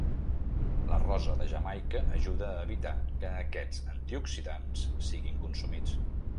La rosa de Jamaica ajuda a evitar que aquests antioxidants siguin consumits.